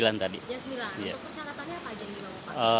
jam sembilan untuk persyaratannya apa aja